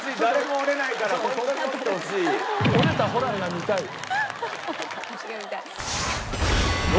折れたホランが見たいよ。